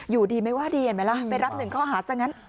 อยู่ดีไม่ว่าดีเห็นไหมล่ะไปรับหนึ่งข้อหาซะงั้น